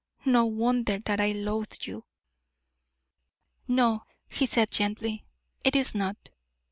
No wonder that I loathe you!" "No," he said, gently, "it is not."